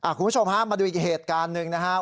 คุณผู้ชมฮะมาดูอีกเหตุการณ์หนึ่งนะครับ